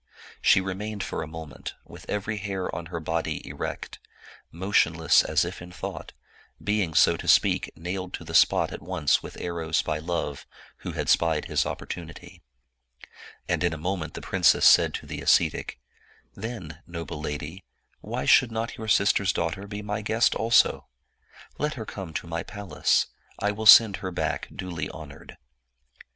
She remained for a moment, with every hair on her body erect, motionless as if in thought, being, so to speak, nailed to the spot at once with arrows by Love, who had spied his opportunity. And in a moment the princess said to the ascetic, ' Then, noble lady, why should not your sister's daughter be my guest also? Let her come to my palace; I will send her back duly honored.'